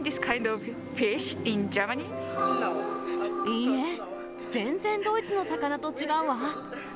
いいえ、全然ドイツの魚と違うわ。